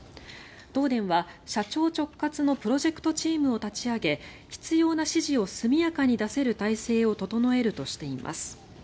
東電は社長直轄のプロジェクトチームを立ち上げ必要な指示を速やかに出せる体制を整えるとしています。